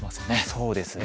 そうですね。